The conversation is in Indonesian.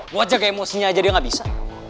gua jaga emosinya aja dia gak bisa